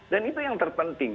dan itu yang terpenting